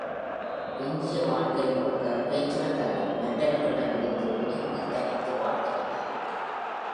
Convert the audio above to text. எஞ்சிய வாழ்க்கை முழுக்க பேச்சிழந்த அவர், மற்றவர்களிடம் இருந்து ஒதுங்கி தனித்து வாழ்ந்து வந்தார்.